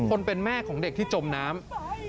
คนเป็นแม่ของเด็กที่จมน้ำ